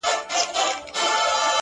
• او په وجود كي مي؛